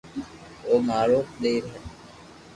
او مارو ٻئير ھي